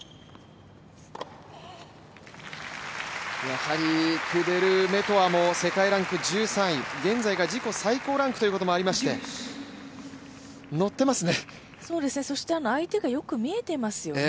やはりクデルメトワも世界ランク１３位、現在が自己最高ランクということもありまして乗ってますね。